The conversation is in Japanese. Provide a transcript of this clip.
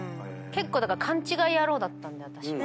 結構勘違い野郎だったんで私は。